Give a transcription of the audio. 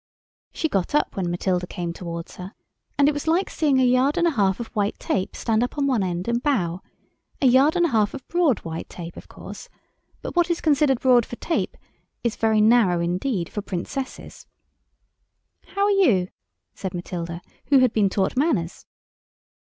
She got up when Matilda came towards her, and it was like seeing a yard and a half of white tape stand up on one end and bow—a yard and a half of broad white tape, of course; but what is considered broad for tape is very narrow indeed for princesses. "How are you?" said Matilda, who had been taught manners.